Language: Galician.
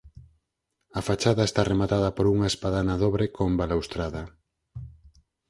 A fachada está rematada por unha espadana dobre con balaustrada.